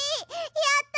やった！